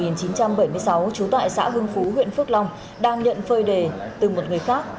năm một nghìn chín trăm bảy mươi sáu chú tại xã hưng phú huyện phước long đang nhận phơi đề từ một người khác